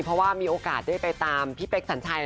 เพราะมีโอกาสจะได้ไปตามพี่เจปริคสัญชัย